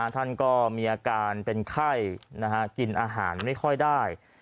ท่านก็มีอาการเป็นไข้กินอาหารไม่ค่อยได้